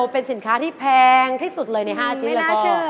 เป็นสินค้าที่แพงที่สุดเลยใน๕ชิ้นแล้วก็